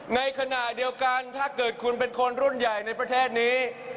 ในขณะเดียวกันถ้าเกิดคุณเป็นคนรุ่นใหญ่ในประเทศนี้